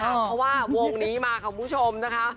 เพราะว่าวงนี้มาค่ะคุณผู้ชมนะคะ